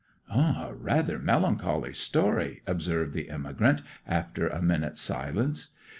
'A rather melancholy story,' observed the emigrant, after a minute's silence.